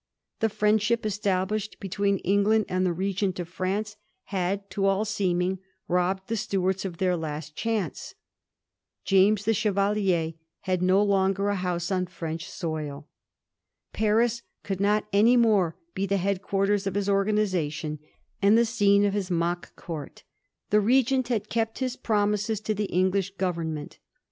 The friendship established between Eng land and the Regent of France had to all seeming robbed the Stuarts of their last chance. James the Chevalier had no longer a home on French soil. Paris could not any more be the head quarters of his organisation and the scene of his mock Court. The Regent had kept his promises to the English Government.